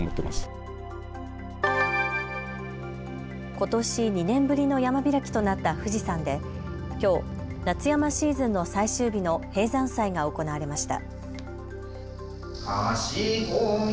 ことし２年ぶりの山開きとなった富士山できょう、夏山シーズンの最終日の閉山祭が行われました。